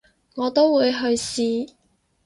我都會去試